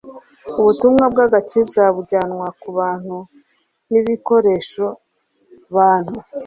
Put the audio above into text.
Ubutumwa bw'agakiza bujyanwa ku bantu n'ibikoresho bantu.